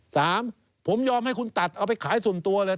สามผมยอมให้คุณตัดเอาไปขายส่วนตัวเลย